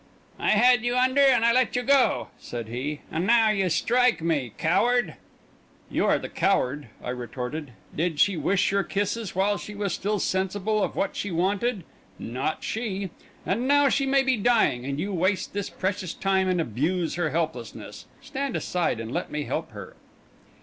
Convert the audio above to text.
"I had you under, and I let you go," said he; "and now you strike me! Coward!" "You are the coward," I retorted. "Did she wish your kisses while she was still sensible of what she wanted? Not she! And now she may be dying; and you waste this precious time, and abuse her helplessness. Stand aside, and let me help her."